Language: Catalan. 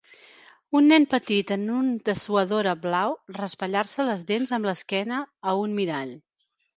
Un nen petit en un dessuadora blau raspallar-se les dents amb l'esquena a un mirall